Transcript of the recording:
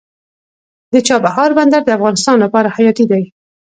د چابهار بندر د افغانستان لپاره حیاتي دی